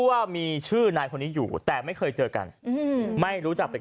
ว่ามีชื่อนายคนนี้อยู่แต่ไม่เคยเจอกันอืมไม่รู้จักเป็น